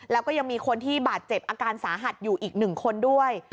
แล้วก็ยังมีคนที่บาดเจ็บอาการสาหัสอยู่อีก๑คนด้วย